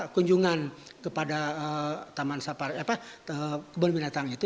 kunjungan kepada taman kebun binatang itu